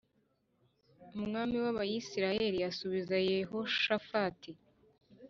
Umwami w’Abisirayeli asubiza Yehoshafati